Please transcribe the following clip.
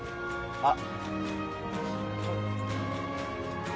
あっ。